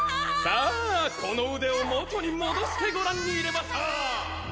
さあこの腕を元に戻してご覧にいれましょう